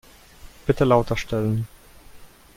Bitte lauter stellen.